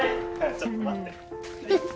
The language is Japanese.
ちょっと待って。